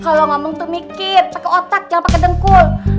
kalo ngomong tuh mikir pake otak jangan pake dengkul